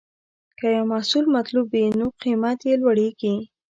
که یو محصول مطلوب وي، نو قیمت یې لوړېږي.